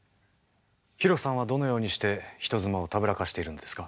ヒロさんはどのようにして人妻をたぶらかしているんですか？